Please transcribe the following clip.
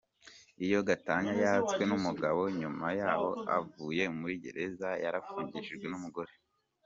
Iyo gatanya yatswe n'umugabo nyuma y'aho avuye muri gereza yarafungishijwe n'umugore.